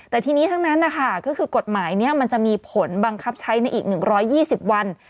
แต่ทีนี้ทั้งนั้นนะคะก็คือกฎหมายนี้มันจะมีผลบังคับใช้ในอีก๑๒๐วัน